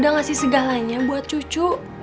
udah ngasih segalanya buat cucu